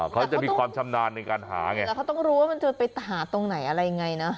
เขาจะมีความชำนาญในการหาไงแต่เขาต้องรู้ว่ามันจะไปหาตรงไหนอะไรยังไงนะ